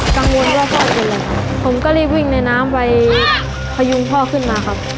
กังวลว่าพ่อเป็นอะไรครับผมก็รีบวิ่งในน้ำไปพยุงพ่อขึ้นมาครับ